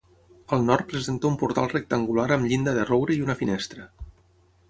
Al nord presenta un portal rectangular amb llinda de roure i una finestra.